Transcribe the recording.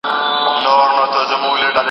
املا د سواد مشعل دی.